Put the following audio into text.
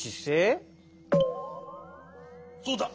そうだ。